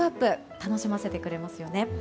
楽しませてくれますよね。